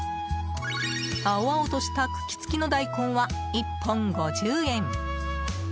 青々とした茎つきの大根は１本５０円。